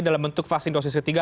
dalam bentuk vaksin dosis ketiga